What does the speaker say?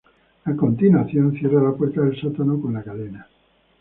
A continuación, cierra la puerta del sótano con la cadena.